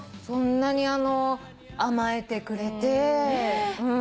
そんなに甘えてくれて。